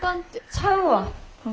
ちゃうわ。